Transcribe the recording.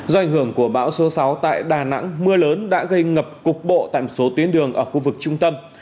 do ảnh hưởng của bão số sáu tại đà nẵng mưa lớn đã gây ngập cục bộ tại một số tuyến đường ở khu vực trung tâm